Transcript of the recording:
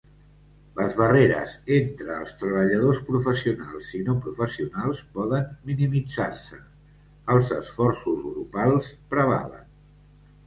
Les barreres entre els treballadors professionals i no professionals poden minimitzar-se, els esforços grupals prevalen.